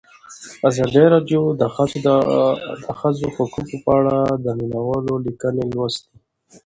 ازادي راډیو د د ښځو حقونه په اړه د مینه والو لیکونه لوستي.